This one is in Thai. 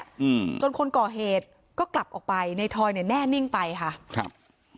อืมจนคนก่อเหตุก็กลับออกไปในทอยเนี้ยแน่นิ่งไปค่ะครับ